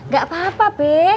gak apa apa be